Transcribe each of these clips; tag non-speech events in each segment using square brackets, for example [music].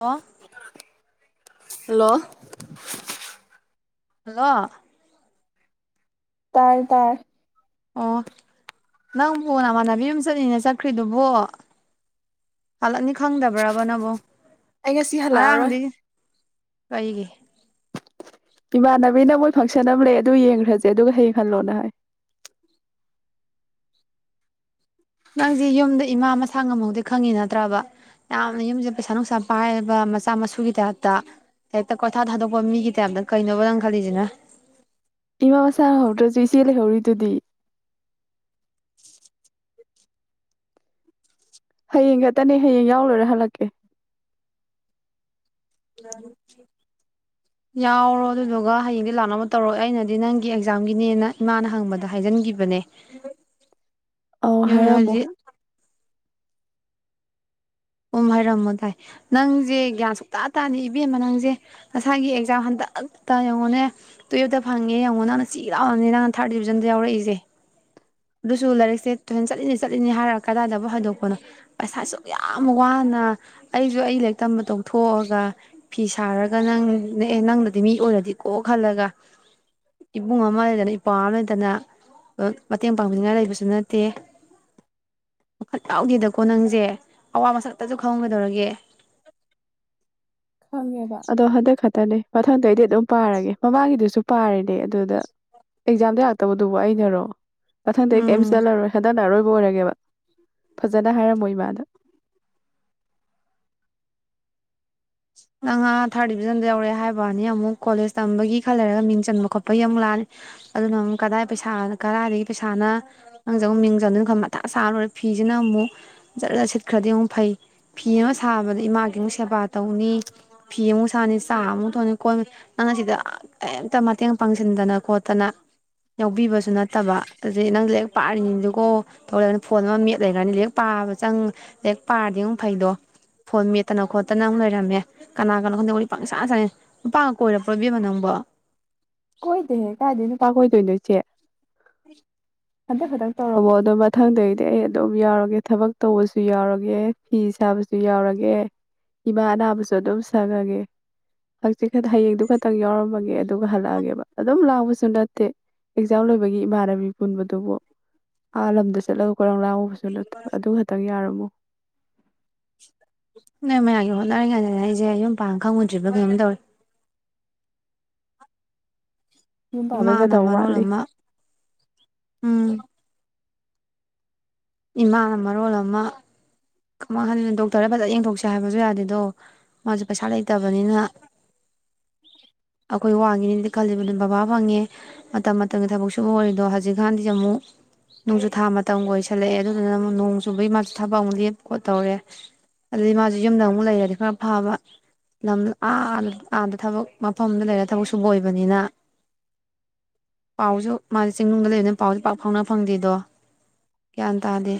ꯍꯥ hello hello ꯇꯥꯏ ꯇꯥꯏ ꯑꯣ ꯅꯪꯕꯨ ꯅꯃꯥꯟꯅꯕꯤ ꯌꯨꯝ ꯆꯠꯂꯤꯅ ꯆꯠꯈ꯭ꯔꯤꯗꯨꯕꯣ ꯍꯜꯂꯛꯅꯤ ꯈꯪꯗꯕ꯭ꯔꯕ ꯅꯕꯣ ꯑꯩ ꯉꯁꯤ ꯍꯜꯂꯛꯑꯔꯣꯏ ꯀꯩꯒꯤ ꯏꯃꯥꯟꯅꯕꯤꯅ ꯃꯣꯏ ꯐꯪꯁꯟ ꯑꯃ ꯂꯩ ꯑꯗꯨ ꯌꯦꯡꯈ꯭ꯔꯁꯦ ꯑꯗꯨꯒ ꯍꯜꯂꯣꯅ ꯍꯥꯏ ꯅꯪꯗꯤ ꯌꯨꯝꯗ ꯏꯃꯥ ꯃꯁꯥ ꯉꯝꯃꯧꯗꯤ ꯈꯪꯉꯤ ꯅꯠꯇ꯭ꯔꯕ ꯌꯥꯝꯅ ꯌꯨꯝꯁꯦ ꯄꯩꯁꯥ ꯅꯨꯡꯁꯥ ꯄꯥꯏꯔꯕ ꯃꯆꯥ ꯃꯁꯨꯒꯤ ꯇꯥꯏꯞꯇ ꯍꯦꯛꯇ ꯀꯣꯏꯊꯥ ꯊꯥꯗꯣꯛꯄ ꯃꯤꯒꯤ ꯇꯥꯏꯞꯇ ꯀꯩꯅꯣꯕ ꯅꯪ ꯈꯜꯂꯤꯁꯤꯅ ꯏꯃꯥ ꯃꯁꯥ ꯉꯝꯍꯧꯗ꯭ꯔꯁꯨ ꯏꯆꯦ ꯂꯩꯍꯧꯔꯤꯗꯨꯗꯤ [inaudible] ꯍꯌꯦꯡ ꯈꯛꯇꯅꯦ ꯍꯌꯦꯡ ꯌꯥꯎ ꯂꯣꯏꯔꯥ ꯍꯜꯂꯛꯀꯦ ꯌꯥꯎꯔꯣ ꯑꯗꯨꯗꯨꯒ ꯍꯌꯦꯡꯗꯤ ꯂꯥꯛꯅꯕ ꯇꯧꯔꯣ ꯑꯩꯅꯗꯤ ꯅꯪꯒꯤ ꯑꯦꯛꯖꯥꯝꯒꯤꯅꯦꯅ ꯏꯃꯥꯅ ꯍꯪꯕꯗ ꯍꯥꯏꯖꯤꯟꯈꯤꯕꯅꯦ ꯑꯧ ꯌꯥꯝ ꯍꯥꯏꯔꯝꯃꯣ ꯍꯖꯤꯛ ꯎꯝ ꯍꯥꯏꯔꯝꯃꯣ ꯇꯥꯏ ꯅꯪꯁꯦ ꯒ꯭ꯌꯥꯟ ꯁꯨꯡꯇ ꯇꯥꯗꯦ ꯏꯕꯦꯝꯃ ꯅꯪꯁꯦ ꯉꯁꯥꯏꯒꯤ ꯑꯦꯛꯖꯥꯝ ꯍꯟꯗꯛꯇ ꯌꯦꯡꯉꯣꯅꯦ ꯇꯨꯌꯦꯜꯞꯇ ꯐꯪꯉꯦ ꯌꯦꯡꯉꯣ ꯅꯪꯅ ꯆꯤ ꯂꯥꯎꯔꯅꯤꯅꯦ ꯅꯪꯅ ꯊꯥꯔꯠ ꯗꯤꯕꯤꯖꯟꯗ ꯌꯥꯎꯔꯛꯏꯁꯦ ꯑꯗꯨꯁꯨ ꯂꯥꯏꯔꯤꯛꯁꯦ ꯇꯨꯁꯟ ꯆꯠꯂꯤꯅꯤ ꯆꯠꯂꯤꯅꯤ ꯍꯥꯏꯔ ꯀꯗꯥꯏꯗꯕꯨ ꯍꯥꯏꯗꯣꯛꯄꯅꯣ ꯄꯩꯁꯥꯁꯨ ꯌꯥꯝ ꯋꯥꯅ ꯑꯩꯁꯨ ꯑꯩ ꯂꯥꯏꯔꯤꯛ ꯇꯝꯕ ꯇꯧꯊꯣꯛꯑꯒ ꯐꯤ ꯁꯥꯔꯒ ꯅꯪ ꯅ ꯅꯪꯗꯗꯤ ꯃꯤ ꯑꯣꯏꯔꯗꯤꯀꯣ ꯈꯜꯂꯒ ꯏꯕꯨꯡ ꯑꯃ ꯂꯩꯗꯅ ꯏꯄꯥ ꯑꯃ ꯂꯩꯗꯅ ꯃꯇꯦꯡ ꯄꯥꯡꯕꯤꯅꯤꯡꯉꯥꯏ ꯂꯩꯕꯁꯨ ꯅꯠꯇꯦ ꯋꯥꯈꯜ ꯌꯥꯎꯗꯦꯗꯀꯣ ꯅꯪꯁꯦ ꯑꯋꯥ ꯃꯁꯛ ꯑꯃꯇꯥꯁꯨ ꯈꯪꯎ ꯀꯩꯗꯧꯔꯒꯦ ꯈꯪꯉꯦꯕ ꯑꯗꯣ ꯍꯟꯗꯛ ꯈꯛꯇꯅꯦ ꯃꯊꯪꯗꯑꯩꯗꯤ ꯑꯗꯨꯝ ꯄꯥꯔꯒꯦ ꯃꯃꯥꯡꯒꯤꯗꯨꯁꯨ ꯄꯥꯔꯤꯅꯦ ꯑꯗꯨꯗ ꯑꯦꯛꯖꯥꯝꯗ ꯌꯥꯥꯛꯛꯇꯕꯗꯨꯕꯨ ꯑꯩꯅꯔꯣ ꯄꯊꯪ ꯗꯩꯩ ꯑꯩ ꯀꯔ꯭ꯤꯝ ꯎꯝ ꯆꯇꯂꯥꯔꯣꯏ ꯍꯟꯗꯛꯅ ꯑꯔꯣꯏꯕꯥ ꯂꯣꯏꯔꯒꯦꯕꯥ ꯐꯖꯅꯥ ꯍꯥꯏꯔꯝꯃꯣ ꯏꯃꯥꯗꯥ ꯅꯪ ꯑ ꯊꯥꯔꯠ ꯗꯤꯕꯤꯖꯟꯗ ꯌꯧꯔꯦ ꯍꯥꯏꯕꯅꯤ ꯑꯃꯨꯛ ꯀꯣꯂꯦꯖ ꯇꯝꯕꯒꯤ ꯈꯜ ꯂꯩꯔꯒ ꯃꯤꯡ ꯆꯟꯕ ꯈꯣꯠꯄꯒꯤ ꯑꯃꯨꯛ ꯂꯥꯅꯤ ꯑꯗꯨꯅ ꯑꯃꯨꯛ ꯀꯗꯥꯏ ꯄꯩꯁꯥ ꯀꯗꯥꯏꯗꯒꯤ ꯄꯩꯁꯥꯅ ꯅꯪꯁꯦ ꯑꯃꯨꯛ ꯃꯤꯡ ꯆꯟꯗꯣꯏꯅꯣ ꯈꯟ ꯃꯊꯥ ꯁꯥꯂꯣꯏꯔꯦ ꯐꯤꯁꯤꯅ ꯑꯃꯨꯛ ꯖꯔ ꯖ ꯁꯤꯠꯈ꯭ꯔꯗꯤ ꯑꯃꯨꯛ ꯐꯩ ꯐꯤ ꯑꯃ ꯁꯥꯕꯗ ꯏꯃꯥꯒꯤ ꯑꯃꯨꯛ ꯁꯦꯕꯥ ꯇꯧꯅꯤ ꯐꯤ ꯑꯃꯨꯛ ꯁꯥꯅꯤ ꯆꯥ ꯑꯃꯨꯛ ꯊꯣꯡꯅꯤ ꯀꯣꯟ ꯅꯪꯅ ꯁꯤꯗ ꯀꯩꯝꯇ ꯃꯇꯦꯡ ꯄꯥꯡꯁꯤꯟꯗꯅ ꯈꯣꯠꯇꯅ ꯌꯥꯎꯕꯤꯕꯁꯨ ꯅꯠꯇꯕ ꯑꯗꯩ ꯅꯪ ꯂꯔꯤꯦꯛ ꯄꯥꯔꯤꯅꯤꯀꯣ ꯊꯧꯔꯛꯅ ꯐꯣꯟ ꯑꯃ ꯃꯦꯠ ꯂꯩꯈ꯭ꯔꯅꯤ ꯂꯔꯦꯛ ꯄꯥꯕ ꯆꯪ ꯂꯔꯦꯛ ꯄꯥꯔꯗꯤ ꯑꯃꯨꯛ ꯐꯩꯗꯣ ꯐꯣꯟ ꯃꯦꯠꯇꯅ ꯈꯣꯠꯇꯅ ꯑꯃꯨꯛ ꯂꯩꯔꯝꯃꯦ ꯀꯅꯥ ꯀꯅꯥꯅꯣ ꯈꯪꯗꯦ ꯋꯥꯔꯤ ꯄꯥꯡꯁꯥ ꯁꯥꯅꯩ ꯅꯨꯄꯥ ꯑꯃ ꯀꯣꯏꯔꯕꯣ ꯏꯕꯦꯝꯃꯥ ꯅꯪꯕꯨ ꯀꯣꯏꯗꯦꯍꯦ ꯀꯥꯏꯗꯩ ꯅꯨꯄꯥ ꯀꯣꯏꯗꯣꯏꯅꯣ ꯏꯆꯦ [unintelligible] ꯍꯟꯗꯛ ꯍꯟꯗꯛ ꯇꯧꯔꯝꯃꯣ ꯑꯗꯨꯣ ꯃꯊꯪꯗꯗꯒꯤꯗꯤ ꯑꯩ ꯑꯗꯨꯝ ꯌꯥꯎꯔꯒꯦ ꯊꯕꯛ ꯇꯧꯕꯁꯨ ꯌꯥꯎꯔꯒꯦ ꯐꯤ ꯁꯥꯕꯁꯨ ꯌꯥꯎꯔꯒꯦ ꯏꯃꯥ ꯑꯅꯥꯕꯁꯨ ꯑꯗꯨꯝ ꯁꯪꯉꯒꯦ ꯍꯪꯆꯤꯠꯍꯌꯦꯡꯗꯨ ꯈꯛꯇꯪ ꯌꯥꯎꯔꯝꯃꯒꯦ ꯑꯗꯨꯒ ꯍꯜꯂꯛꯑꯒꯦꯕ ꯑꯗꯨꯝ ꯂꯥꯡꯕꯁꯨ ꯅꯠꯇꯦ ꯑꯦꯛꯖꯥꯝ ꯂꯣꯏꯕꯒꯤ ꯏꯃꯥꯟꯅꯕꯤ ꯄꯨꯟꯕꯗꯨꯕꯨ ꯑꯥ ꯂꯝꯗꯁꯨ ꯆꯠꯂꯒ ꯀꯣꯏꯔꯥꯡ ꯂꯥꯡꯉꯨꯕꯁꯨꯠꯇ ꯑꯗꯨ ꯈꯛꯇꯪ ꯌꯥꯔꯝꯃꯣ ꯅꯣꯏ ꯃꯌꯥꯝꯒꯤ ꯍꯣꯠꯅꯔꯤꯉꯥꯏꯗꯅꯦ ꯑꯩꯁꯦ ꯌꯨꯝ ꯄꯥꯟ ꯈꯪꯉꯨꯗ꯭ꯔꯤꯕ꯭ꯔꯥ ꯀꯔꯤꯝ ꯇꯧꯔꯦ ꯌꯨꯝ ꯄꯥꯟꯕꯩ ꯏꯃꯥꯅ ꯃꯇꯝ ꯃꯔꯔꯣꯜ ꯋꯥꯠꯂꯤ ꯑꯃ ꯎꯝ ꯏꯃꯥꯅ ꯃꯔꯣꯜ ꯑꯃ ꯀꯃꯥꯏ ꯍꯥꯟꯗꯅꯣ ꯗꯣꯛꯇꯔ ꯐꯖꯅ ꯌꯦꯡꯊꯣꯛꯁꯦ ꯍꯥꯏꯕꯁꯨ ꯌꯥꯗꯦꯗꯣ ꯃꯥꯁꯨ ꯄꯩꯁꯥ ꯂꯩꯇꯕꯅꯤꯅ ꯑꯩꯈꯣꯏ ꯋꯥꯉꯅꯤꯅꯗꯤ ꯈꯜꯂꯤꯕ ꯑꯗꯨꯅ ꯕꯕꯥ ꯐꯪꯉꯦ ꯃꯇꯝ ꯃꯇꯝꯒꯤ ꯊꯕꯛ ꯁꯨꯕ ꯑꯣꯏꯔꯤꯗꯣ ꯍꯧꯖꯤꯛꯀꯥꯟꯗꯤ ꯑꯃꯨꯛ ꯅꯣꯡꯁꯨꯨ ꯊꯥ ꯃꯇꯝꯒ ꯑꯣꯏꯁꯜꯂꯛꯑꯦ ꯑꯗꯨꯗꯨꯅ ꯑꯃꯨꯛ ꯅꯣꯡ ꯆꯨꯕꯒꯤ ꯃꯥꯁꯨ ꯊꯕꯛ ꯑꯃ ꯂꯦꯞ ꯈꯣ ꯇꯧꯔꯦ ꯑꯗꯨꯗꯤ ꯃꯥꯁꯨ ꯌꯨꯝꯗ ꯑꯃꯨꯛ ꯂꯩꯔꯗꯤ ꯈꯔ ꯐꯕ ꯂꯝ ꯑꯥꯗ ꯊꯕꯛ ꯃꯐꯝꯗ ꯂꯩꯔ ꯊꯕꯛ ꯁꯨꯕ ꯑꯣꯏꯕꯅꯤꯅ ꯄꯥꯎꯁꯨ ꯃꯥꯁꯦ ꯆꯤꯡꯅꯨꯡꯗ ꯂꯩꯕꯅꯤꯅ ꯄꯥꯎꯁꯨꯦ ꯄꯥꯛ ꯐꯥꯎꯅ ꯐꯪꯗꯦꯗꯣ ꯒ꯭ꯌꯥꯟ ꯇꯥꯗꯦ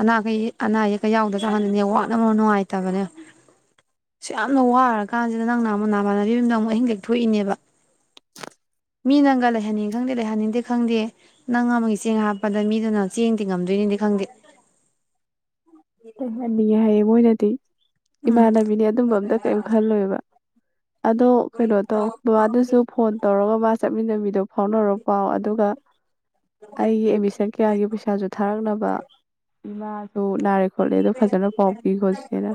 ꯑꯅꯥꯈꯩ ꯑꯅꯥ ꯑꯌꯦꯛ ꯌꯥꯎꯗ ꯆꯪꯍꯟꯅꯤꯅꯦ ꯋꯥꯅꯕ ꯅꯨꯡꯉꯥꯏꯇꯕꯅꯦ ꯑ ꯌꯥꯝꯅ ꯋꯥꯔ ꯀꯥꯟꯁꯤꯗ ꯅꯪꯅ ꯑꯃꯨꯛ ꯅꯅꯥꯃꯥꯟꯅꯕꯤ ꯑꯃꯗ ꯑꯃꯨꯛ ꯑꯍꯤꯡ ꯂꯦꯛꯊꯣꯛꯏꯅꯦꯕ ꯃꯤ ꯅꯪꯒ ꯂꯩꯍꯟꯅꯤꯡ ꯈꯪꯗꯦ ꯂꯩꯍꯟꯅꯤꯡꯗꯦ ꯈꯪꯗꯦ ꯅꯪ ꯑꯃꯒꯤ ꯆꯦꯡ ꯍꯥꯞꯄꯗ ꯃꯤꯗꯨ ꯅꯪ ꯆꯦꯡꯗꯤ ꯉꯝꯗꯣꯏꯅꯤꯗꯤ ꯈꯪꯗꯦ ꯇꯩꯍꯟꯅꯤꯡꯉꯦ ꯍꯥꯏꯌꯦ ꯃꯣꯏꯅꯗꯤ ꯎꯝ ꯏꯃꯥꯟꯅꯕꯤꯅꯦ ꯑꯗꯨꯝꯕ ꯑꯝꯇ ꯀꯔꯤꯝ ꯈꯜꯂꯣꯏꯕ ꯑꯗꯣ ꯀꯩꯅꯣ ꯇꯧ ꯕꯕꯥꯗꯨꯁꯨ ꯐꯣꯟ ꯇꯧꯔꯒꯕ ꯆꯠꯃꯤꯟꯅꯕꯤꯗꯣ ꯐꯥꯎꯅꯔ ꯄꯥꯎ ꯑꯗꯨꯒ ꯑꯩꯒꯤ ꯑꯦꯠꯃꯤꯁꯟ ꯀꯌꯥꯒꯤ ꯄꯩꯁꯥꯁꯨ ꯊꯥꯔꯛꯅꯕ ꯏꯃꯥꯁꯨ ꯅꯥꯔꯦ ꯈꯣꯠꯂꯦꯗꯣ ꯐꯖꯅ ꯄꯥꯎꯄꯤ ꯈꯣ ꯆꯦꯆꯦꯅ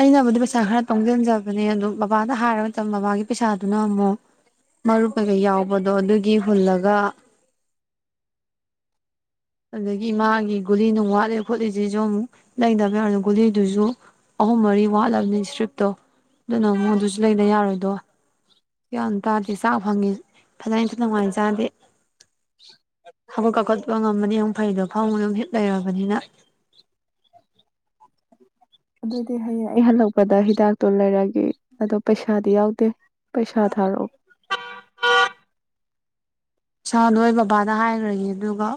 ꯑꯩꯅꯕꯨꯗꯤ ꯄꯩꯁꯥ ꯈꯔ ꯇꯨꯡꯁꯤꯟꯖꯕꯅꯦ ꯑꯗꯨꯗ ꯕꯕꯥꯅ ꯍꯥꯏꯔ ꯃꯇꯝꯗ ꯕꯥꯒꯤ ꯄꯩꯁꯥꯗꯨꯅ ꯑꯃꯨꯛ ꯃꯔꯨꯞ ꯀꯩꯀꯩ ꯌꯥꯎꯕꯗꯣ ꯑꯗꯨꯒꯤ ꯍꯨꯜꯂꯒ ꯑꯗꯨꯗꯒꯤ ꯏꯃꯥꯒꯤ ꯒꯨꯂꯤ ꯅꯨꯡ ꯋꯥꯠꯂꯤ ꯈꯣꯠꯂꯤꯁꯤꯁꯨ ꯑꯃꯨꯛ ꯂꯩꯗꯕ ꯌꯥꯔ ꯒꯨꯂꯤꯗꯨꯁꯨ ꯑꯍꯨꯝ ꯃꯔꯤ ꯋꯥꯠꯂꯕꯅꯤ ꯏꯁꯇ꯭ꯔꯤꯞꯇꯣ ꯑꯗꯨꯅ ꯑꯃꯨꯛ ꯑꯗꯨꯁꯨ ꯂꯩꯕ ꯌꯥꯔꯣꯏꯗꯣ ꯀꯒ꯭ꯌꯥꯟ ꯇꯥꯗꯦ ꯆꯥꯛ ꯐꯪꯉꯤ ꯐꯅ ꯏꯊ ꯅꯨꯡꯉꯥꯏꯅ ꯆꯥꯗꯦ ꯍꯧꯒꯠ ꯀꯥꯈꯠꯄ ꯉꯝꯃꯗꯤ ꯑꯃꯨꯛ ꯐꯩꯗꯣ ꯐꯥꯃꯨꯡꯗ ꯍꯤꯞ ꯂꯩꯔꯕꯅꯤꯅ ꯑꯗꯨꯏꯗꯤ ꯍꯌꯦꯡ ꯑꯩ ꯍꯜꯂꯛꯄꯗ ꯍꯤꯗꯥꯛꯇꯣ ꯂꯩꯔꯒꯦ ꯑꯗꯣ ꯄꯩꯁꯥꯗꯤ ꯌꯥꯎꯗꯦ ꯄꯩꯁꯥ ꯊꯥꯔꯛꯑꯣ [unintelligible] ꯏꯁꯥꯗꯣ ꯑꯩ ꯕꯕꯥꯗ ꯍꯥꯏꯈ꯭ꯔꯒꯦ ꯑꯗꯨꯒ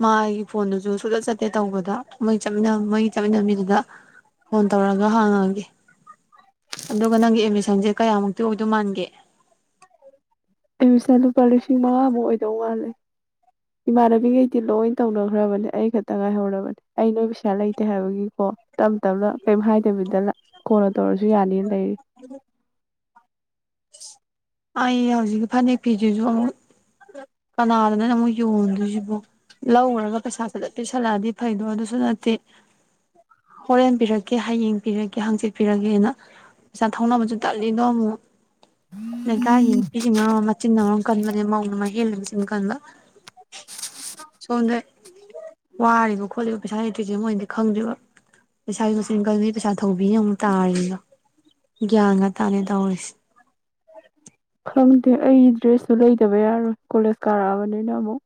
ꯃꯥ ꯑꯩꯒꯤ ꯐꯣꯟꯗꯨꯁꯨ ꯁꯨꯆꯠ ꯆꯠꯇꯦ ꯇꯧꯕꯗ ꯃꯣꯏ ꯆꯠꯃꯤ ꯃꯣꯏ ꯆꯠꯃꯤꯟꯅꯕꯤꯗꯨꯗ ꯐꯣꯟ ꯇꯧꯔꯒ ꯍꯥꯡꯉꯒꯦ ꯑꯗꯨꯒ ꯅꯪꯒꯤ ꯑꯦꯠꯃꯤꯁꯟꯁꯦ ꯀꯌꯥꯃꯨꯛꯇꯤ ꯑꯣꯏꯗꯣꯏ ꯃꯥꯟꯒꯦ ꯑꯦꯗꯃꯤꯁꯟ ꯂꯨꯄꯥ ꯂꯤꯁꯤꯡ ꯃꯪꯉꯥꯃꯨꯛ ꯑꯣꯏ ꯈꯤꯇꯧ ꯋꯥꯠꯂꯦ ꯏꯃꯥꯟꯅꯕꯤꯈꯩꯗꯤ ꯂꯣꯏ ꯇꯧꯅꯈ꯭ꯔꯕꯅꯦ ꯑꯩ ꯈꯛꯇ ꯉꯥꯏꯍꯧꯔꯕꯅꯦ ꯑꯩ ꯅꯣꯏ ꯄꯩꯁꯥ ꯂꯩꯇꯦ ꯍꯥꯏꯕꯒꯤꯀꯣ ꯇꯞ ꯇꯞꯅ ꯀꯩꯝ ꯍꯥꯏꯗꯕꯤꯗ ꯀꯣꯟꯅ ꯇꯧꯔꯁꯨ ꯌꯥꯅꯤꯅ ꯂꯩ ꯑꯩ ꯍꯧꯖꯤꯛꯀꯤ ꯐꯅꯦꯛ ꯐꯤꯁꯤꯁꯨ ꯑꯃꯨꯛ ꯀꯅꯥꯗꯅꯅꯣ ꯑꯃꯨꯛ ꯌꯣꯟꯗꯣꯏꯁꯤꯕꯨ ꯂꯧꯔꯒ ꯄꯩꯁꯥꯁꯤꯗ ꯄꯤꯁꯜꯂꯛꯑꯗꯤ ꯐꯩꯗꯣ ꯑꯗꯨꯁꯨ ꯅꯠꯇꯦ ꯍꯣꯔꯦꯟꯄꯤꯔꯛꯀꯦ ꯍꯌꯦꯡ ꯄꯤꯔꯛꯀꯦ ꯍꯥꯡꯆꯤꯠꯄꯤꯔꯛꯀꯦꯅ ꯄꯩꯁꯥ ꯊꯧꯅꯕꯁꯨ ꯇꯜꯂꯤꯗꯣ ꯑꯃꯨꯛ ꯂꯩꯀꯥꯏꯒꯤ ꯅꯨꯄꯤꯁꯤꯡꯅ ꯃꯆꯤꯟ ꯑꯃꯎꯔꯣꯝ ꯀꯟꯕꯅꯦ ꯃꯧꯅ ꯑꯃ ꯍꯦꯜꯂꯤ ꯃꯆꯤꯟ ꯀꯟꯕ ꯁꯣꯝꯗ ꯋꯥꯔꯤꯕ ꯈꯣꯠꯂꯤꯕ ꯄꯩꯁꯥ ꯂꯩꯇ꯭ꯔꯤꯁꯦ ꯃꯣꯏꯅꯗꯤ ꯈꯪꯗ꯭ꯔꯤꯕ ꯄꯩꯁꯥꯒꯤ ꯃꯆꯤꯟ ꯀꯟ ꯄꯩꯁꯥ ꯊꯧꯕꯤ ꯑꯃꯨꯛ ꯇꯥꯔꯤꯕ ꯒ꯭ꯌꯥꯟ ꯉꯥꯛ ꯇꯥꯅꯤ ꯇꯧꯔꯤꯁꯦ ꯑ ꯑꯩ ꯗ꯭ꯔꯦꯁꯇꯨ ꯂꯩꯗꯕ ꯌꯥꯔꯣꯏ ꯀꯣꯂꯦꯖ ꯀꯥꯔꯛꯑꯕꯅꯤꯅ ꯑꯃꯨꯛ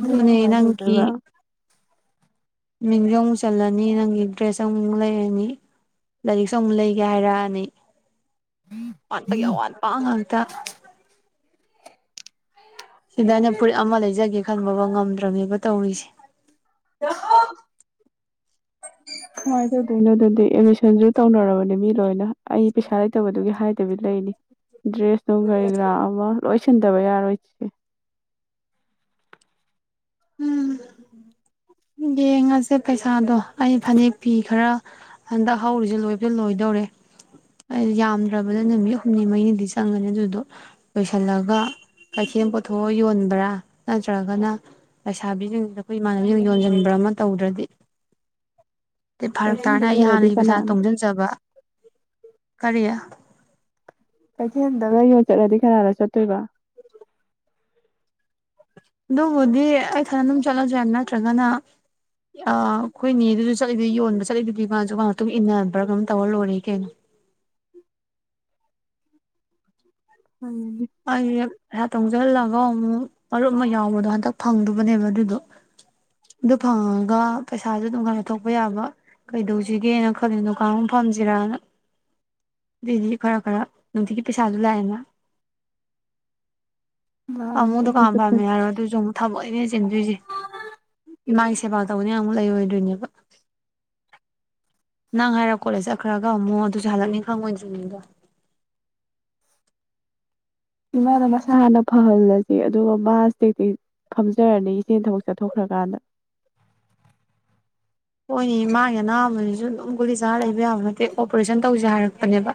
ꯑꯗꯨꯅ ꯑꯗꯨꯅꯦ ꯀꯃꯥꯏꯅ ꯅꯪꯒꯤ ꯇꯧꯗꯣꯏꯕ ꯃꯤꯡꯖꯨ ꯑꯃꯨꯛ ꯆꯜꯂꯅꯤ ꯅꯪꯒꯤ ꯗ꯭ꯔꯦꯁ ꯑꯃꯨꯛ ꯂꯩꯔꯅꯤ ꯂꯥꯏꯔꯤꯛꯁꯨ ꯑꯃꯨꯛ ꯂꯩꯒꯦ ꯍꯥꯏꯔꯛꯑꯅꯤ ꯑꯋꯥꯠꯄꯒꯤ ꯑꯋꯥꯠꯄ ꯉꯥꯛꯇ ꯁꯤꯗꯅ ꯐꯨꯔꯤꯠ ꯑꯃ ꯂꯩꯖꯒꯦ ꯈꯟꯕ ꯉꯝꯗ꯭ꯔꯕꯅꯦꯕ ꯇꯧꯔꯤꯁꯦ ꯀꯃꯥꯏꯅ ꯇꯧꯗꯣꯏꯅꯣ ꯑꯗꯨꯗꯤ ꯑꯦꯠꯃꯤꯁꯟꯁꯨ ꯇꯧꯅꯔꯕꯅꯦ ꯃꯤ ꯂꯣꯏꯅ ꯑꯩ ꯄꯩꯁꯥ ꯂꯩꯇꯕꯗꯨꯒꯤ ꯍꯥꯏꯗꯕꯤ ꯂꯩꯅꯤ ꯗ꯭ꯔꯦꯁꯅꯨꯡ ꯀꯔꯤ ꯀꯔꯥ ꯑꯃ ꯂꯣꯏꯁꯤꯟꯗꯕ ꯌꯥꯔꯣꯏ ꯆꯦ ꯎꯝ ꯌꯦꯡꯉꯁꯦ ꯄꯩꯁꯥꯗꯣ ꯑꯩ ꯐꯅꯦꯛ ꯐꯤ ꯈꯔ ꯍꯟꯗꯛ ꯍꯧꯔꯤꯁꯦ ꯂꯣꯏꯕꯨꯗꯤ ꯂꯣꯏꯗꯧꯔꯦ ꯌꯥꯝꯗ꯭ꯔꯕꯗ ꯅꯨꯃꯤꯠ ꯍꯨꯝꯅꯤ ꯃꯔꯤꯅꯤꯗꯤ ꯆꯪꯉꯅꯤ ꯑꯗꯨꯗꯣ ꯂꯣꯏꯁꯤꯜꯂꯒ ꯀꯩꯊꯦꯜ ꯄꯨꯊꯣꯛꯑ ꯌꯣꯟꯕ꯭ꯔꯥ ꯅꯠꯇ꯭ꯔꯒꯅ ꯂꯩꯁꯥꯕꯤꯁꯤꯡꯁꯤꯗ ꯑꯩꯈꯣꯏ ꯏꯃꯥꯟꯅꯅꯕꯁꯤꯡ ꯌꯣꯟꯁꯤꯟꯕ꯭ꯔꯥ ꯑꯃ ꯇꯧꯗ꯭ꯔꯗꯤ ꯐꯔꯛ ꯀꯩꯊꯦꯜꯗ ꯇꯥꯔꯅ ꯑꯩ ꯌꯣꯜꯂꯗꯤ ꯍꯥꯟꯅꯒꯤ ꯄꯩꯁꯥ ꯀꯅꯥꯅ ꯇꯨꯡꯁꯤꯟꯖꯕ ꯀꯔꯤ ꯀꯩꯊꯦꯜꯗꯒ ꯌꯣꯟ ꯆꯠꯂꯗꯤ ꯀꯅꯥꯅ ꯆꯠꯇꯣꯏꯕ ꯑꯗꯨꯕꯨꯗꯤ ꯑꯩꯊꯟ ꯑꯗꯨꯝ ꯆꯠꯂꯁꯨ ꯌꯥꯏ ꯅꯠꯇ꯭ꯔꯒꯅ ꯑꯩꯈꯣꯏꯅꯦ ꯑꯗꯨꯁꯨ ꯆꯠꯂꯤꯗꯨ ꯌꯣꯟꯕ ꯆꯠꯂꯤꯗꯨꯗꯤ ꯃꯥꯁꯨ ꯃꯥꯥꯛ ꯃꯇꯨꯡ ꯏꯟꯅꯕ꯭ꯔꯥ ꯀꯝ ꯇꯧꯔ ꯂꯣꯏꯔꯦ ꯀꯩꯅꯣ ꯅꯪꯅꯅꯤ ꯑꯩ ꯇꯧꯁꯤꯍꯜꯂꯒ ꯑꯃꯨꯛ ꯃꯔꯨꯞ ꯑꯃ ꯌꯥꯎꯕꯗꯣ ꯍꯟꯇꯛ ꯐꯪꯗꯕꯅꯦꯕ ꯑꯗꯨꯗꯣ ꯑꯗꯨ ꯐꯪꯉꯒ ꯄꯩꯁꯥꯁꯨ ꯑꯗꯨꯝ ꯈꯔ ꯊꯣꯛꯄ ꯌꯥꯕ ꯀꯩꯗꯧꯁꯤꯒꯦꯅ ꯈꯜꯂꯤ ꯗꯨꯀꯥꯟꯑꯝ ꯐꯝꯁꯤꯔꯅ ꯑꯗꯨꯏꯗꯤ ꯈꯔ ꯈꯔ ꯅꯨꯡꯇꯤꯒꯤ ꯄꯩꯁꯥꯁꯨ ꯂꯥꯛꯑꯦꯅ ꯥ ꯂꯥꯛꯑꯅꯤ ꯑꯃꯨꯛ ꯗꯨꯀꯥꯟ ꯑꯗꯨꯁꯨ ꯄꯥꯝꯃꯦ ꯍꯥꯏꯔꯣ ꯑꯗꯨꯁꯨ ꯑꯃꯨꯛ ꯊꯕꯛꯅꯦ ꯆꯤꯟꯗꯣꯏꯁꯦ ꯏꯃꯥꯒꯤ ꯁꯦꯕꯥ ꯇꯧꯅꯤꯅ ꯑꯃꯨꯛ ꯂꯩꯔꯣꯏꯗꯣꯏꯅꯦꯕ [unintelligible] ꯅꯪ ꯍꯥꯏꯔꯣ ꯀꯣꯂꯦꯖ ꯆꯠꯈ꯭ꯔꯒ ꯑꯃꯨꯃꯛ ꯑꯗꯨꯁꯨ ꯍꯜꯂꯛꯅꯤ ꯈꯪꯉꯣꯏꯗ꯭ꯔꯤꯅꯤꯗꯣ ꯏꯃꯥꯅ ꯃꯁꯥ ꯍꯥꯟꯅ ꯐꯍꯜꯂꯁꯤ ꯑꯗꯨꯒ ꯃꯥꯁꯇꯦꯛꯇꯤ ꯐꯝꯖꯔꯅꯤ ꯏꯆꯦ ꯊꯕꯛ ꯆꯠꯊꯣꯛꯈ꯭ꯔꯀꯥꯟꯗ ꯍꯣꯏꯅꯤ ꯃꯥꯒꯤ ꯑꯅꯥꯕꯁꯨ ꯑꯗꯨꯝ ꯒꯨꯂꯤ ꯆꯥꯔ ꯂꯩꯕ ꯌꯥꯕ ꯅꯠꯇꯦ ꯑꯣꯄꯔꯦꯁꯟ ꯇꯧꯁꯦ ꯍꯥꯏꯔꯛꯄꯅꯦꯕ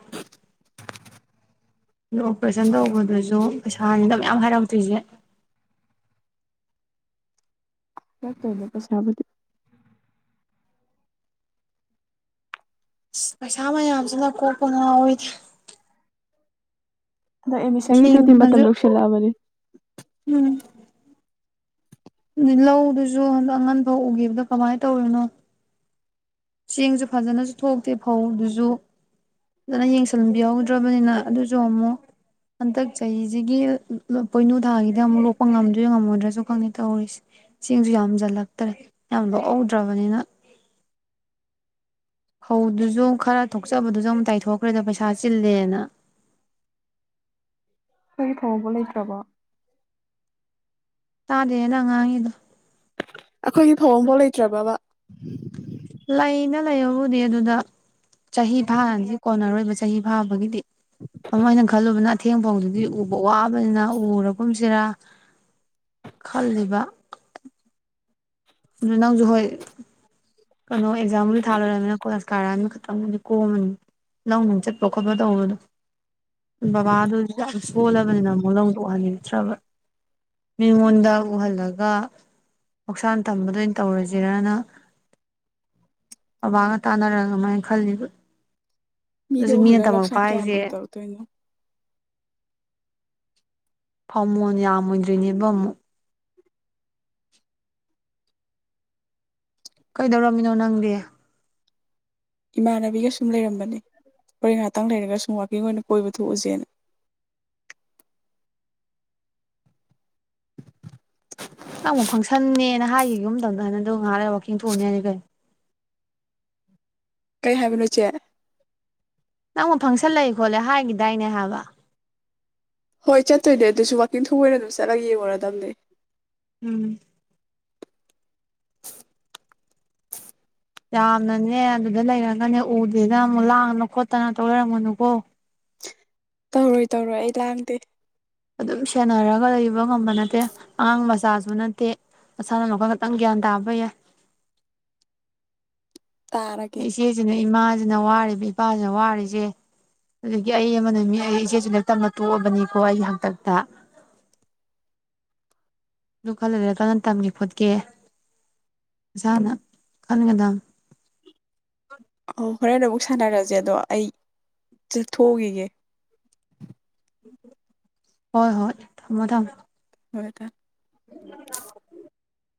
ꯑꯗꯨ ꯑꯣꯄꯔꯦꯁꯟ ꯇꯧꯕꯗꯨꯁꯨ ꯄꯩꯁꯥꯅꯤꯅ ꯃꯌꯥꯝ ꯍꯥꯏꯔꯛꯇꯣꯏꯁꯦ ꯉꯥꯛꯇꯅꯦ ꯄꯩꯁꯥꯕꯨꯗꯤ ꯄꯩꯁꯥ ꯃꯌꯥꯝꯁꯤꯅ ꯀꯣꯛꯄꯨ ꯉꯥꯎꯋꯦꯗ ꯑꯗꯣ ꯑꯩ ꯃꯤꯁꯪꯒꯤꯗꯨꯗꯤ ꯃꯇꯝ ꯊꯦꯡꯅꯁꯨ ꯌꯧꯁꯜꯂꯛꯑꯕꯅꯤ ꯎꯝ ꯂꯧꯗꯨꯁꯨ ꯍꯟꯗꯛ ꯑꯉꯟ ꯐꯧ ꯎꯈꯤꯕꯗꯣ ꯀꯃꯥꯏ ꯇꯧꯔꯤꯅꯣ ꯆꯦꯡꯁꯨ ꯐꯖꯅꯁꯨ ꯊꯣꯛꯇꯦ ꯐꯧꯗꯨꯁꯨ ꯐꯖꯅ ꯌꯦꯡꯁꯤꯟꯕꯤꯍꯧꯗ꯭ꯔꯕꯅꯤꯅ ꯑꯗꯨꯁꯨ ꯑꯃꯨꯛ ꯍꯟꯗꯛ ꯆꯍꯤꯁꯤꯒꯤ ꯄꯣꯏꯅꯨ ꯊꯥꯒꯤꯗꯤ ꯑꯃꯨꯛ ꯂꯣꯛꯄ ꯉꯝꯗꯣꯏ ꯉꯝꯃꯣꯏꯗ꯭ꯔꯁꯨ ꯈꯪꯗꯦ ꯇꯧꯔꯤꯁꯦ ꯆꯦꯡꯁꯨ ꯌꯥꯝꯁꯤꯜꯂꯛꯇ꯭ꯔꯦ ꯌꯥꯝ ꯂꯣꯛꯍꯧꯗ꯭ꯔꯕꯅꯤꯅ ꯐꯧꯗꯨꯁꯨ ꯈꯔ ꯊꯣꯛꯆꯕꯗꯨꯁꯨ ꯑꯃꯨꯛ ꯇꯥꯏꯊꯣꯛꯈ꯭ꯔꯦꯗ ꯄꯩꯁꯥ ꯆꯤꯜꯂꯦꯅ [unintelligible] ꯂꯩꯇ꯭ꯔꯕꯣ ꯇꯥꯗꯦ ꯅꯪ ꯉꯥꯡꯉꯤꯗꯣ ꯑꯈꯣꯏꯒꯤ ꯐꯧ ꯑꯝꯐꯥꯎ ꯂꯩꯇ꯭ꯔꯕꯕ ꯂꯩꯅ ꯂꯩꯕꯕꯨꯗꯤ ꯑꯗꯨꯗ ꯆꯍꯤ ꯐꯥꯅꯗꯤ ꯀꯣꯟꯅꯔꯣꯏꯕ ꯆꯍꯤ ꯐꯥꯕꯒꯤꯗꯤ ꯑꯃꯅ ꯈꯜꯂꯨꯕꯅ ꯑꯊꯦꯡ ꯐꯣꯡꯗꯨꯗꯤ ꯎꯕ ꯋꯥꯕꯅꯤꯅ ꯎꯔꯒꯨꯝꯁꯤꯔ ꯈꯜꯂꯤꯕ ꯅꯪꯖꯨ ꯍꯣꯏ ꯀꯩꯅꯣ ꯑꯦꯛꯖꯥꯝꯕꯨ ꯊꯥꯜꯅꯤꯅ ꯀꯣꯂꯦꯖ ꯀꯥꯏꯔꯛꯑꯅꯤ ꯈꯛꯇꯪꯕꯨꯗꯤ ꯀꯣꯝꯃꯅꯤ ꯂꯧ ꯅꯨꯡ ꯆꯠꯄ ꯈꯣꯠꯄ ꯇꯧꯕꯗꯣ ꯕꯕꯥꯗꯨꯁꯨ ꯌꯥꯝ ꯁꯣꯜꯂꯕꯅꯤꯅ ꯑꯃꯨꯛ ꯂꯧꯗ ꯎꯍꯟꯅꯤꯡꯇ꯭ꯔꯕ ꯃꯤꯉꯣꯟꯗ ꯎꯍꯜꯂꯒ ꯍꯛꯁꯥꯡ ꯊꯝꯕꯗ ꯑꯣꯏꯅ ꯇꯧꯔꯁꯤꯔꯅ ꯑꯕꯥꯒ ꯇꯥꯅꯔ ꯑꯗꯨꯃꯥꯏꯅ ꯈꯜꯂꯤꯕ ꯃꯤꯗ ꯑꯗꯨꯁꯨ ꯃꯤꯅ ꯎꯍꯜꯂ ꯇꯝꯃꯛꯄ ꯂꯧꯂꯥꯟ ꯀꯌꯥꯝ ꯍꯥꯏꯁꯦ ꯇꯧꯔ ꯇꯣꯏꯅꯣ ꯐꯃꯣꯟ ꯌꯥꯝꯃꯣꯏꯗ꯭ꯔꯤꯅꯦꯕ ꯃꯨꯛ ꯀꯩꯗꯧꯔꯝꯃꯤꯅꯣ ꯅꯪꯗꯤ ꯏꯃꯥꯟꯅꯕꯤꯒ ꯁꯨꯝ ꯂꯩꯔꯝꯕꯅꯤ ꯍꯣꯔꯦꯟ ꯉꯍꯥꯛꯇꯪ ꯂꯩꯔꯒ ꯁꯨꯝ ꯋꯥꯛꯀꯤꯡ ꯑꯣꯏꯅ ꯀꯣꯏꯕ ꯊꯣꯛꯎꯁꯦꯅ ꯅꯪ ꯑꯃꯨꯛ ꯐꯪꯁꯟꯅꯦꯅ ꯍꯥꯏꯒ ꯌꯨꯝꯗꯧꯗ ꯍꯥꯏꯅꯗ ꯉꯥꯏꯍꯥꯛ ꯂꯩ ꯋꯥꯛꯀꯤꯡ ꯊꯣꯛꯑꯅꯤ ꯍꯥꯏꯅꯤ ꯀꯩ ꯀꯩ ꯍꯥꯏꯕꯅꯣ ꯏꯆꯦ ꯅꯪꯕꯨ ꯐꯪꯁꯜꯂꯩ ꯈꯣꯠꯂꯦ ꯍꯥꯏꯈꯤꯗꯥꯏꯅꯦ ꯍꯥꯏꯕ ꯍꯣꯏ ꯆꯠꯇꯣꯏꯅꯦ ꯑꯗꯨꯁꯨ ꯋꯥꯛꯀꯤꯡ ꯊꯣꯛꯄ ꯑꯣꯏ ꯑꯗꯨꯝ ꯆꯠꯂꯒ ꯌꯦꯡꯉꯨꯔꯗꯝꯅꯦ ꯎꯝ ꯌꯥꯝꯅꯅꯦ ꯑꯗꯨꯗ ꯂꯩꯔꯒꯅꯦ ꯎꯗꯦꯅ ꯑꯃꯨꯛ ꯂꯥꯡꯗꯅ ꯈꯣꯠꯇꯅ ꯇꯧ ꯂꯩꯔꯝꯒꯅꯨꯀꯣ ꯇꯧꯔꯣꯏ ꯇꯧꯔꯣꯏ ꯑꯩ ꯂꯥꯡꯗꯦ ꯑꯗꯨꯝ ꯁꯦꯟꯅꯔꯒ ꯂꯩꯕ ꯉꯝꯕ ꯅꯠꯇꯦ ꯑꯉꯥꯡ ꯃꯆꯥꯁꯨ ꯅꯠꯇꯦ ꯅꯁꯥꯅ ꯋꯥꯈꯜ ꯈꯤꯇꯪ ꯒ꯭ꯌꯥꯟ ꯇꯥꯕ ꯌꯥꯏ ꯇꯥꯔꯒꯦ ꯏꯆꯦꯁꯤꯅꯦ ꯏꯃꯥ ꯏꯁꯤꯅ ꯋꯥꯔꯤꯕ ꯏꯄꯥꯁꯤꯅ ꯋꯥꯔꯤꯁꯦ ꯑꯗꯨꯗꯒꯤ ꯑꯩ ꯑꯃꯅ ꯃꯤ ꯑꯩ ꯏꯆꯦꯁꯨ ꯂ ꯇꯝꯅ ꯇꯣꯛꯑꯕꯅꯤꯀꯣ ꯑꯩꯒꯤ ꯍꯥꯛꯇꯛꯇ ꯑꯗꯨ ꯈꯜꯂꯔꯦ ꯀꯅꯥ ꯇꯝꯒꯦ ꯈꯣꯠꯀꯦ ꯏꯁꯥꯅ ꯈꯟꯒꯗꯝ ꯑꯣ ꯍꯣꯔꯦꯟ ꯑꯃꯨꯛ ꯁꯥꯟꯅꯔꯁꯦ ꯑꯗꯣ ꯑꯩ ꯆꯠꯊꯣꯛꯎꯒꯤꯒꯦ ꯍꯣꯏ ꯍꯣꯏ ꯊꯝꯃꯣ ꯊꯝꯃꯣ ꯍꯣꯏꯗ [unintelligible]